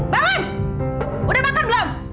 bangun udah makan belum